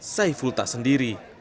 saiful tak sendiri